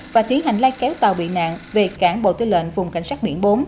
và tiến hành lai kéo tàu bị nạn về cảng bộ tư lệnh vùng cảnh sát biển bốn